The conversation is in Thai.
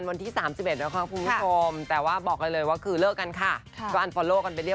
บ๊าสเวทเทอร์อะไรเนี่ย